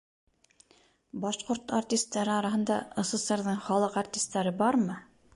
Башҡорт артистары араһында СССР-ҙың халыҡ артистары бармы?